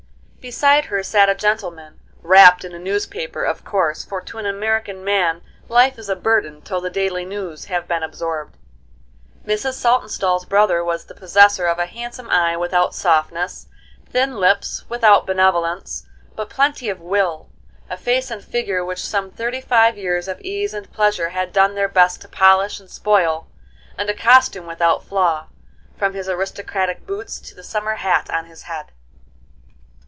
Beside her sat a gentleman, rapt in a newspaper, of course, for to an American man life is a burden till the daily news have been absorbed. Mrs. Saltonstall's brother was the possessor of a handsome eye without softness, thin lips without benevolence, but plenty of will; a face and figure which some thirty five years of ease and pleasure had done their best to polish and spoil, and a costume without flaw, from his aristocratic boots to the summer hat on his head.